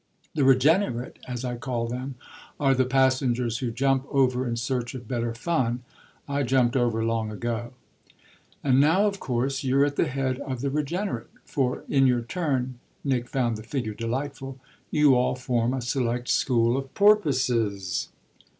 The regenerate, as I call them, are the passengers who jump over in search of better fun. I jumped over long ago." "And now of course you're at the head of the regenerate; for, in your turn" Nick found the figure delightful "you all form a select school of porpoises."